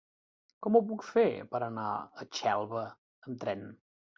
Com ho puc fer per anar a Xelva amb tren?